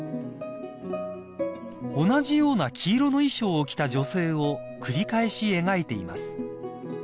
［同じような黄色の衣装を着た女性を繰り返し描いています］